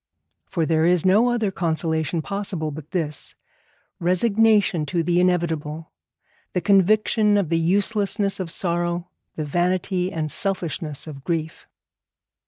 For there is no other consolation possible but this, resignation to the inevitable, the conviction of the uselessness of sorrow, the vanity and selfishness of grief.